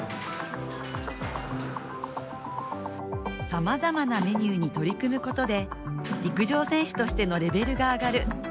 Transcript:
さまざまなメニューに取り組むことで陸上選手としてのレベルが上がる。